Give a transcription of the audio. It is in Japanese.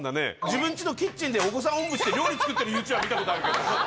自分家のキッチンでお子さんおんぶして料理作ってるＹｏｕＴｕｂｅは見たことあるけど。